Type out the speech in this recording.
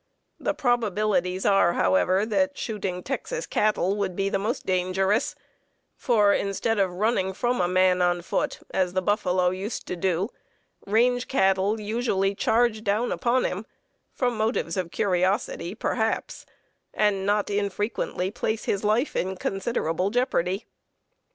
The probabilities are, however, that shooting Texas cattle would be the most dangerous; for, instead of running from a man on foot, as the buffalo used to do, range cattle usually charge down upon him, from motives of curiosity, perhaps, and not infrequently place his life in considerable jeopardy.